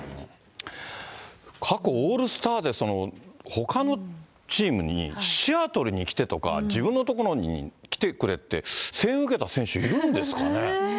過去オールスターで、ほかのチームに、シアトルに来てとか自分の所に来てくれって、声援受けた選手っているんですかね。